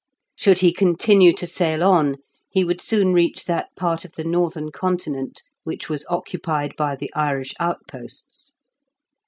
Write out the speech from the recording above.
Should he continue to sail on, he would soon reach that part of the northern continent which was occupied by the Irish outposts.